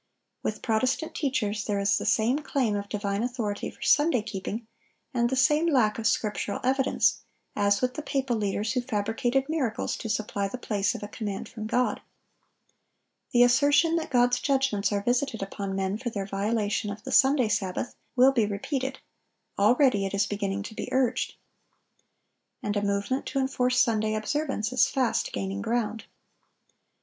With Protestant teachers there is the same claim of divine authority for Sunday keeping, and the same lack of scriptural evidence, as with the papal leaders who fabricated miracles to supply the place of a command from God. The assertion that God's judgments are visited upon men for their violation of the Sunday sabbath, will be repeated; already it is beginning to be urged. And a movement to enforce Sunday observance is fast gaining ground.